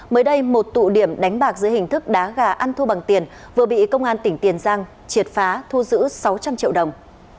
mới đây một tụ điểm đánh bạc dưới hình thức đá gà ăn thua bằng tiền vừa bị công an tỉnh tiền giang triệt phá thu giữ sáu trăm linh triệu đồng